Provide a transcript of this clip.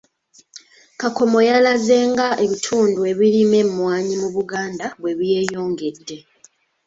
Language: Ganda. Kakomo yalaze nga ebitundu ebirima emmwaanyi mu Buganda bwe byeyongedde.